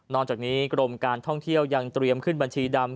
จากนี้กรมการท่องเที่ยวยังเตรียมขึ้นบัญชีดำ